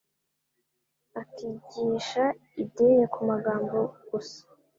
akigisha idini ku magambo gusa,